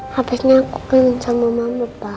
habisnya aku pengen sama mama pak